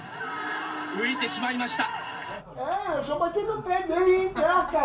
浮いてしまいました。